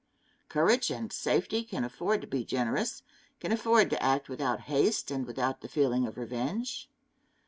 Courage and safety can afford to be generous can afford to act without haste and without the feeling of revenge.